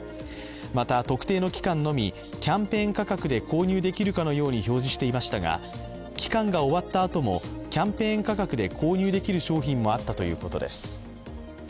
また特定の期間のみキャンペーン価格で購入できるかのように表示していましたが、期間が終わったあともキャンペーン価格で購入できる商品もあったということです。